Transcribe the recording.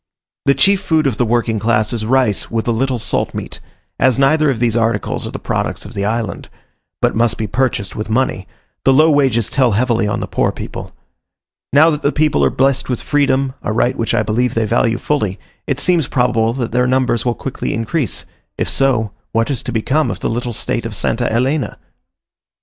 The chief food of the working class is rice with a little salt meat; as neither of these articles are the products of the island, but must be purchased with money, the low wages tell heavily on the poor people. Now that the people are blessed with freedom, a right which I believe they value fully, it seems probable that their numbers will quickly increase: if so, what is to become of the little state of St. Helena?